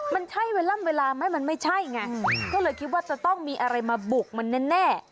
มันใช่เวลาล่ำเวลาไหมมันไม่ใช่ไงก็เลยคิดว่าจะต้องมีอะไรมาบุกมันแน่